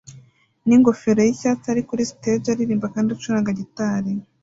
ningofero yicyatsi ari kuri stage aririmba kandi acuranga gitari